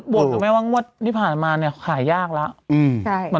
หรือไม่ว่างวดที่ผ่านมาเนี่ยขายยากแล้ว